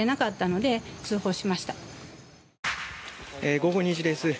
午後２時です。